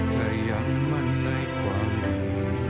ถ้ายังมั่นในความดี